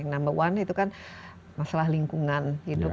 number one itu kan masalah lingkungan hidup